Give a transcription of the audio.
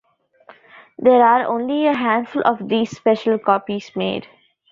There are only a handful of these special copies made.